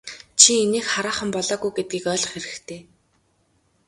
Чи инээх хараахан болоогүй гэдгийг ойлгох хэрэгтэй.